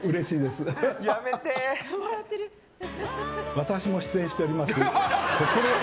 私も出演しております。